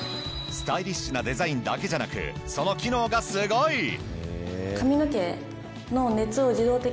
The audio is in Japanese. スタイリッシュなデザインだけじゃなくその機能がすごい！